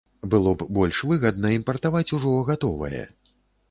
Было б больш выгадна імпартаваць ужо гатовае.